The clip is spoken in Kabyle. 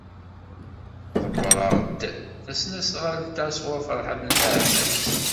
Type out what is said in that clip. Ḍebbreɣ-d tasnasɣalt-a sɣur Ferḥat n At Ɛebbas.